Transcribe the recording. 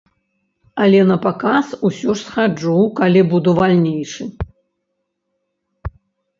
Але на паказ ўсё ж схаджу, калі буду вальнейшы.